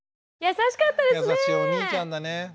優しいお兄ちゃんだね。